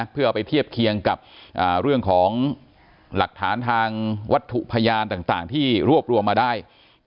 เพื่อเอาไปเทียบเคียงกับเรื่องของหลักฐานทางวัตถุพยานต่างที่รวบรวมมาได้